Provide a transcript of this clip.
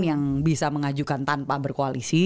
yang bisa mengajukan tanpa berkoalisi